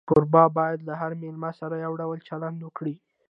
کوربه باید له هر مېلمه سره یو ډول چلند وکړي.